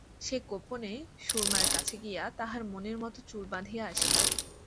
সে গােপনে সুরমার কাছে গিয়া তাহার মনের মত চুল বাঁধিয়া আসিল।